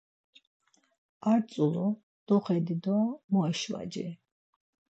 Ar tzulu doxedi do moyşvaci.